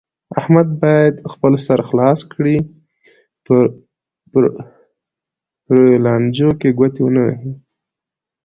احمد باید خپل سر خلاص کړي، په پریو لانجو کې ګوتې و نه وهي.